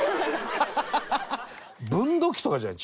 分度器とかじゃない？